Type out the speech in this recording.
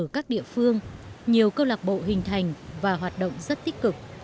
các địa phương nhiều câu lạc bộ hình thành và hoạt động rất tích cực